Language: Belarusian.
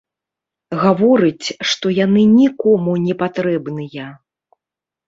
Гаворыць, што яны нікому не патрэбныя.